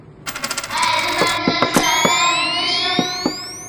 ایا زه باید لس ساعته ویده شم؟